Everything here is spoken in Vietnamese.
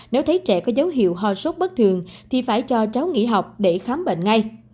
nếu thấy trẻ có dấu hiệu ho sốt bất thường thì phải cho cháu nghỉ học để khám bệnh ngay